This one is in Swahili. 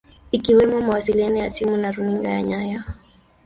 Ikiwemo mawasiliano ya simu na runinga ya nyaya